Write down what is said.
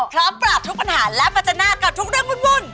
พร้อมปราบทุกปัญหาและปัจจนากับทุกเรื่องวุ่น